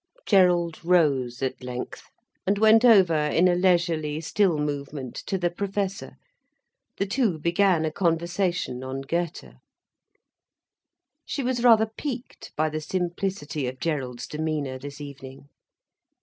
Gerald rose at length, and went over in a leisurely still movement, to the Professor. The two began a conversation on Goethe. She was rather piqued by the simplicity of Gerald's demeanour this evening.